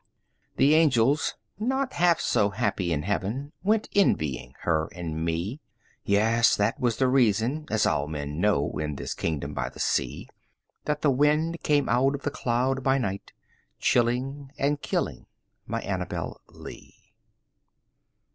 20 The angels, not half so happy in heaven, Went envying her and me; Yes! that was the reason (as all men know, In this kingdom by the sea) That the wind came out of the cloud by night, 25 Chilling and killing my Annabel Lee.